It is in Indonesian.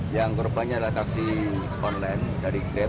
yang berubahnya adalah taksi online dari krep